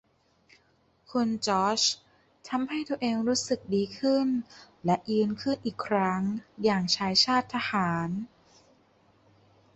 คุณจอร์จทำให้ตัวเองรู้สึกดีขึ้นและยืนขึิ้นอีกครั้งอย่างชายชาติทหาร